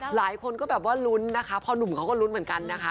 หลายคนก็แบบว่าลุ้นนะคะพอหนุ่มเขาก็ลุ้นเหมือนกันนะคะ